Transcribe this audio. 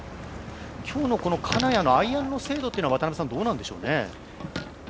今日の金谷のアイアンの精度っていうのはどうなんでしょうね。